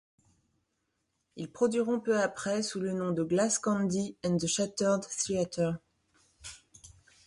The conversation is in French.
Ils produiront peu après sous le nom de Glass Candy and the Shattered Theatre.